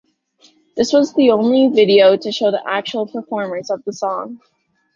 This was the only video to show the actual performers of the song.